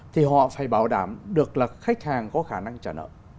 thì họ phải bảo đảm được là khách hàng có khả năng trả nợ